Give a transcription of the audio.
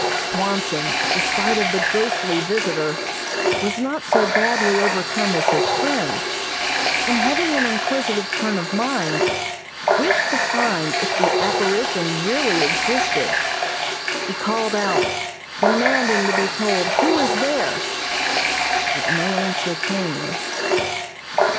Swanson, at sight of the ghostly visitor, was not so badly overcome as his friend, and having an inquisitive turn of mind, wished to find if the apparition really existed. He called out, demanding to be told who was there, but no answer came.